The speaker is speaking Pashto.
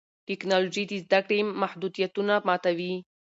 ټیکنالوژي د زده کړې محدودیتونه ماتوي.